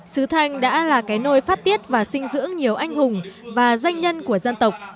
sứ thanh đã là cái nôi phát tiết và sinh dưỡng nhiều anh hùng và danh nhân của dân tộc